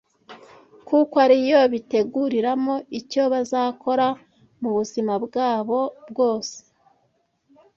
kuko ari yo biteguriramo icyo bazakora mu buzima bwabo bwose